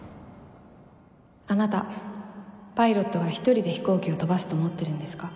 あなたパイロットが一人で飛行機を飛ばすと思ってるんですか？